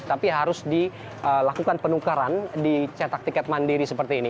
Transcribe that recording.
tapi harus dilakukan penukaran di cetak tiket mandiri seperti ini